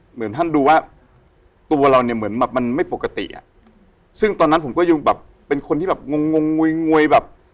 เหมือนท่านดูว่าตัวเราเนี่ยเหมือนแบบมันไม่ปกติอ่ะซึ่งตอนนั้นผมก็ยังแบบเป็นคนที่แบบงงงงวยงวยแบบ